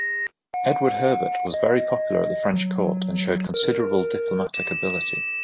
Edward Herbert was very popular at the French court and showed considerable diplomatic ability.